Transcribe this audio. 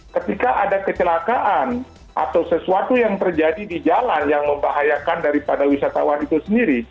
ketika ada kecelakaan atau sesuatu yang terjadi di jalan yang membahayakan daripada wisatawan itu sendiri